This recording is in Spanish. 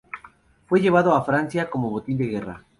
Fue llevado a Francia como botín de guerra.